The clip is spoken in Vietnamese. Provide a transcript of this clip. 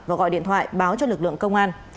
và gọi điện thoại báo cho lực lượng công an